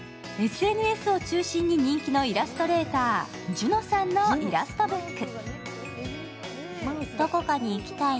ＳＮＳを中心に人気のイラストレーター、ぢゅのさんのイラストブック。